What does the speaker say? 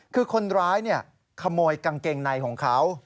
คือคนร้ายขโมยกางเกงในของเขา